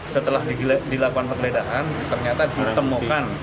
setelah dilakukan penggeledahan ternyata ditemukan